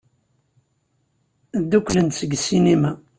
Ddukklen-d seg ssinima.